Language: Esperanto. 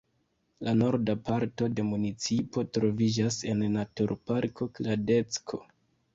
La norda parto de municipo troviĝas en naturparko Kladecko.